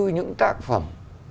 những tác phẩm